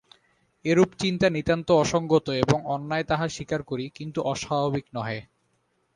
এরূপ চিন্তা নিতান্ত অসংগত এবং অন্যায় তাহা স্বীকার করি কিন্তু অস্বাভাবিক নহে।